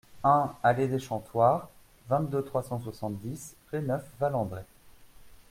un allée des Chantoirs, vingt-deux, trois cent soixante-dix, Pléneuf-Val-André